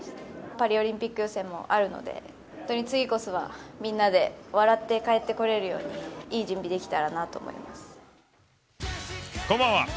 パリオリンピック予選もあるので、本当に次こそはみんなで笑って帰ってこれるように、いい準備できこんばんは。